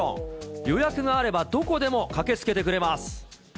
予約があればどこでも駆けつけてくれます。